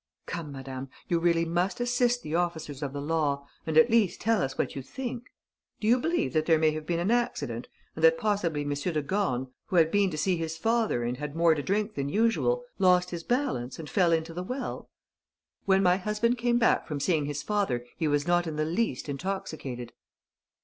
"Come, madame, you really must assist the officers of the law and at least tell us what you think. Do you believe that there may have been an accident and that possibly M. de Gorne, who had been to see his father and had more to drink than usual, lost his balance and fell into the well?" "When my husband came back from seeing his father, he was not in the least intoxicated."